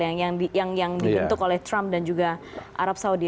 yang dibentuk oleh trump dan juga arab saudi